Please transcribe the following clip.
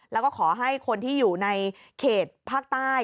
แล้วก็ขอให้คนที่อยู่ในเขตภาคใต้